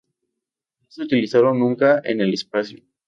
No se utilizaron nunca en el espacio.